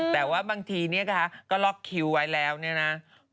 แต่ว่าบางทีเนี่ยนะคะก็ล็อกคิวไว้แล้วเนี่ยนะ